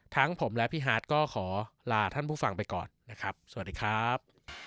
ทั้งผมและพี่ฮาร์ดก็ขอลาท่านผู้ฟังไปก่อนนะครับสวัสดีครับ